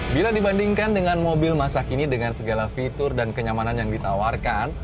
bila dibandingkan dengan mobil masa kini dengan segala fitur dan kenyamanan yang ditawarkan